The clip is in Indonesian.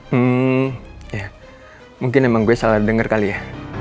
hmm ya mungkin emang gue salah dengar kali ya